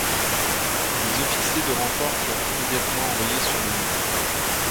Des officiers de renfort furent immédiatement envoyés sur les lieux.